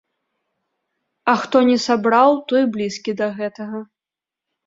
А хто не сабраў, той блізкі да гэтага.